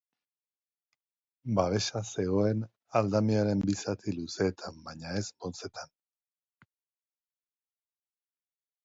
Babesa zegoen aldamioaren bi zati luzeetan, baina ez motzetan.